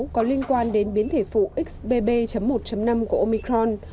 xbb một một mươi sáu có liên quan đến biến thể phụ xbb một năm của omicron